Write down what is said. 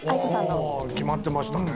決まってましたね。